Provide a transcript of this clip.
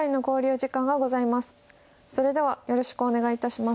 それではよろしくお願いいたします。